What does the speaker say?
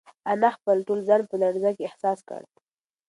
انا خپل ټول ځان په لړزه کې احساس کړ.